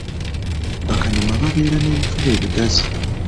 Bakanyama babeera n'ebifuba ebigazi.